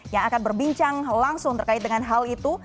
yang akan berbincang langsung terkait dengan hal itu